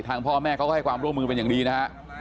พ่อแม่เขาก็ให้ความร่วมมือเป็นอย่างดีนะฮะ